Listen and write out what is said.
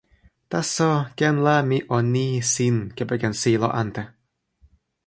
taso ken la mi o ni sin kepeken sijelo ante.